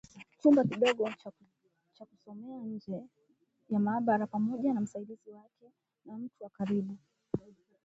chumba kidogo cha kusomea nje ya maabara pamoja na msaidizi wake na mtu wa karibu